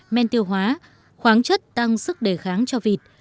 men tiêu hóa khoáng chất tăng sức đề kháng cho vịt